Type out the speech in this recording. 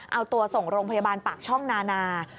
เอาตัวส่งโรงพยาบาลปากช่องนานา